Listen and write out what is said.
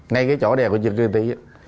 ngay cái chỗ đèo của chiêu cửa ti